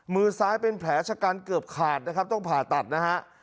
มือซ้ายเป็นแผลชะกันเกือบขาดนะครับต้องผ่าตัดนะฮะ